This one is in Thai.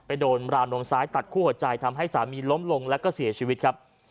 โดนราวนมซ้ายตัดคู่หัวใจทำให้สามีล้มลงแล้วก็เสียชีวิตครับ